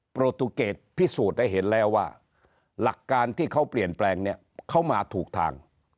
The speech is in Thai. โปรตูเกตพิสูจน์ได้เห็นแล้วว่าหลักการที่เขาเปลี่ยนแปลงเนี่ยเขามาถูกทาง